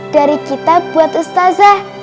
dari kita buat ustadzah